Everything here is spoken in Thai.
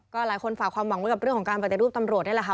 ก็หลายคนฝากความหวังไว้กับเรื่องของการปฏิรูปตำรวจนี่แหละค่ะ